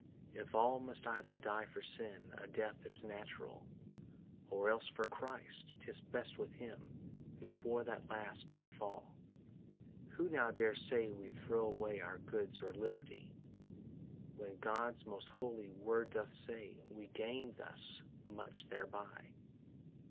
If all must either die for sin A death that's natural, Or else for Christ, 'tis best with him Who for the last doth fall. Who now dare say we throw away Our goods or liberty, When God's most holy word doth say We gain thus much thereby?